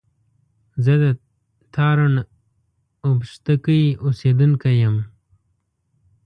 زه د تارڼ اوبښتکۍ اوسېدونکی يم